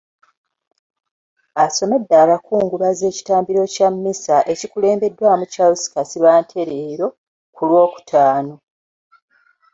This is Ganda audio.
Asomedde abakungubazi mu kitambiro kya mmisa ekikulembeddwamu Charles Kasibante leero ku Lwokutaano.